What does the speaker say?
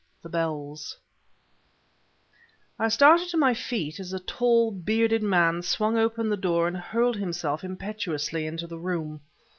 THE BELLS I started to my feet as a tall, bearded man swung open the door and hurled himself impetuously into the room.